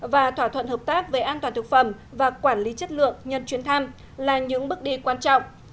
và thỏa thuận hợp tác về an toàn thực phẩm và quản lý chất lượng nhân chuyến thăm là những bước đi quan trọng